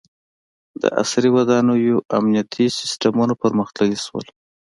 • د عصري ودانیو امنیتي سیستمونه پرمختللي شول.